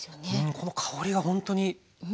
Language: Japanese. この香りがほんとにすごい。